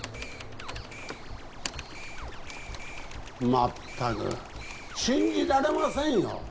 まったく信じられませんよ